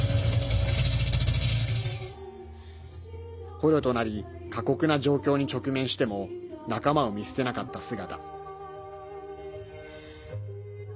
捕虜となり過酷な状況に直面しても仲間を見捨てなかった姿。